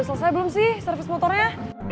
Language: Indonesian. selesai belum sih servis motornya